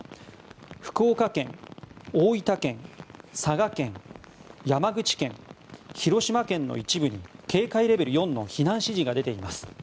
福岡県、大分県、佐賀県山口県、広島県の一部に警戒レベル４の避難指示が出ています。